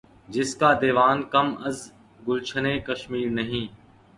جس کا دیوان کم از گلشنِ کشمیر نہیں